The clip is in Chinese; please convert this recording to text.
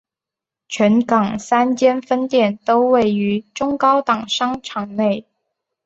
全港三间分店都位于中高档商场内。